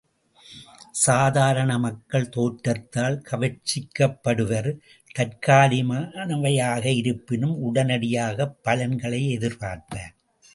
சாதாரண மக்கள் தோற்றத்தால் கவர்ச்சிக்கப்படுவர், தற்காலிகமானவையாக இருப்பினும் உடனடியாகப் பலன்களை எதிர்பார்ப்பர்.